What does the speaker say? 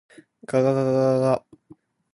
ががががががが。